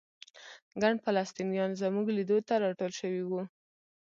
ګڼ فلسطینیان زموږ لیدو ته راټول شوي وو.